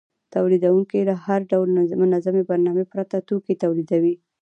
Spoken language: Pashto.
تولیدونکي له هر ډول منظمې برنامې پرته توکي تولیدوي